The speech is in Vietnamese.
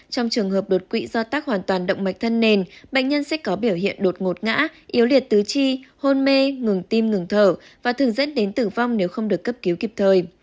trong trường hợp đột quỵ do tác hoàn toàn động mạch thân nền bệnh nhân sẽ có biểu hiện đột ngột ngã yếu liệt tứ chi hôn mê ngừng tim ngừng thở và thường dẫn đến tử vong nếu không được cấp cứu kịp thời